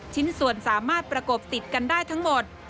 ชิ้นส่วนสามารถประกบติดกันได้ทั้งหมด